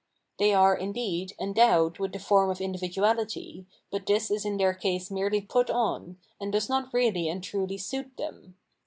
They are, indeed, endowed with the form of individuahty, but this is in their case merely put on, and does not really and truly suit them.